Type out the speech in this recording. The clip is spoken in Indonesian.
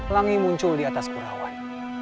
langi muncul di atas purawan